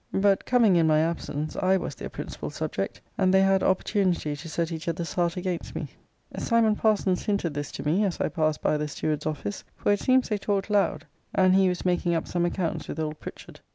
But coming in my absence, I was their principal subject; and they had opportunity to set each other's heart against me. Simon Parsons hinted this to me, as I passed by the steward's office; for it seems they talked loud; and he was making up some accounts with old Pritchard.